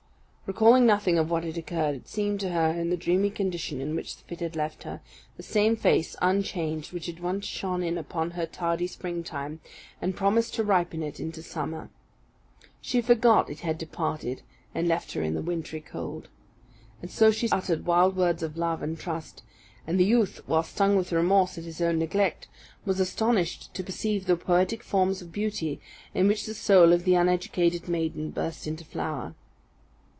Recalling nothing of what had occurred, it seemed to her, in the dreamy condition in which the fit had left her, the same face, unchanged, which had once shone in upon her tardy springtime, and promised to ripen it into summer. She forgot it had departed and left her in the wintry cold. And so she uttered wild words of love and trust; and the youth, while stung with remorse at his own neglect, was astonished to perceive the poetic forms of beauty in which the soul of the uneducated maiden burst into flower.